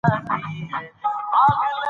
لوستې میندې د ماشوم روغتیا څاري.